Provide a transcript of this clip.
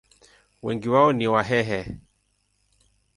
Wengi wao ni Wahehe.